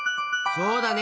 そうだね。